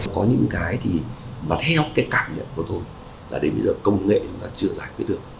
có những cái thì mà theo cái cảm nhận của tôi là đến bây giờ công nghệ chúng ta chưa giải quyết được